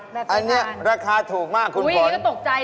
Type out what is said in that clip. แบบไซธานอันนี้ราคาถูกมากคุณฝนอุ๊ยนี่ก็ตกใจ